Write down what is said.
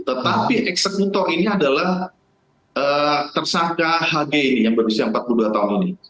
tetapi eksekutor ini adalah tersangka hg ini yang berusia empat puluh dua tahun ini